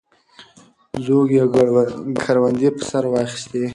زوږ یې کروندې په سر واخیستې.